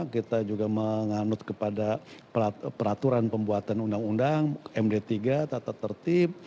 kita juga menganut kepada peraturan pembuatan undang undang md tiga tata tertib